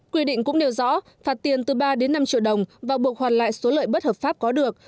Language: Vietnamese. quy định cũng nêu rõ phạt tiền từ ba đến năm triệu đồng và buộc hoàn lại số lợi bất hợp pháp có được